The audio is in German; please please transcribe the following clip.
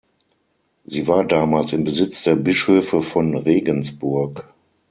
Sie war damals im Besitz der Bischöfe von Regensburg.